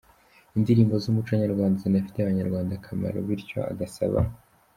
indirimbo zumuco nyarwanda zinafitiye abanyarwanda akamaro bityo agasaba.